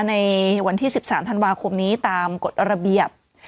ในวันที่๑๓ธันวาคมนี้ตามกฎระเบียบ